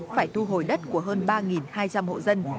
phải thu hồi đất của hơn ba hai trăm linh hộ dân